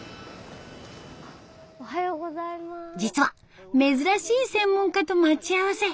実は珍しい専門家と待ち合わせ。